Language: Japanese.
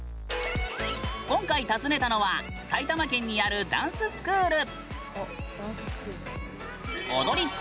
今回訪ねたのは埼玉県にあるダンススクール。